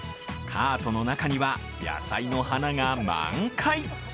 カートの中には野菜の花が満開。